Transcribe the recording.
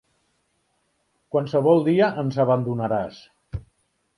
Qualsevol dia ens abandonaràs!